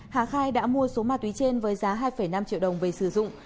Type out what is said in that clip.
hà khai đã mua số ma túy trên với giá hai năm triệu đồng về sử dụng